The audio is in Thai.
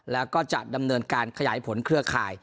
แล้วก็จะดำเนินการขยายผลเครือข่าย